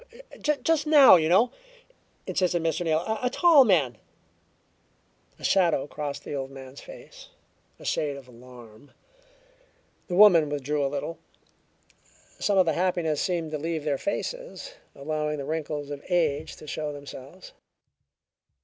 "Just now, you know," insisted Mr. Neal. "A tall man " A shadow crossed the old man's face a shade of alarm. The woman withdrew a little. Some of the happiness seemed to leave their faces, allowing the wrinkles of age to show themselves.